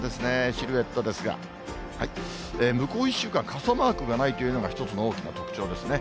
シルエットですが、向こう１週間、傘マークがないというのが、一つの大きな特徴ですね。